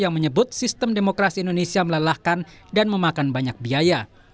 yang menyebut sistem demokrasi indonesia melelahkan dan memakan banyak biaya